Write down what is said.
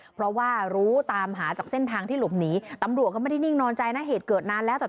เพราะว่ารู้ตามหาจากเส้นทางที่หลบหนีตำรวจก็ไม่ได้นิ่งนอนใจนะเหตุเกิดนานแล้วแต่